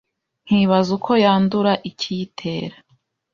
nkibaza uko yandura, ikiyitera